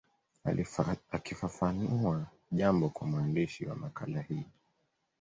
Akifafanua jambo kwa mwandishi wa makala hii